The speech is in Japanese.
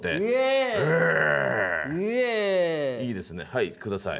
はい下さい。